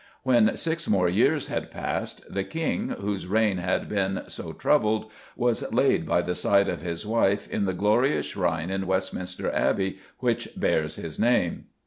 When six more years had passed, the King, whose reign had been so troubled, was laid by the side of his wife, in "the glorious shrine in Westminster Abbey which bears his name."